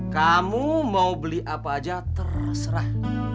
kamu mau beli apa aja terserah